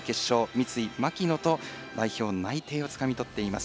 三井、牧野と代表内定をつかみ取っています。